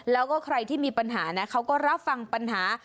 แล้วก็ใครที่มีปัญหานะเขาก็รับฟังปัญหา